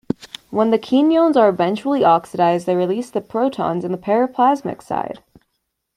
When the quinones are eventually oxidized, they release the protons in the periplasmic side.